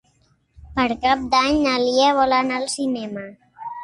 Per Cap d'Any na Lia vol anar al cinema.